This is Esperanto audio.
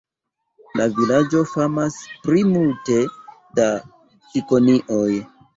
La vilaĝo famas pri multe da cikonioj.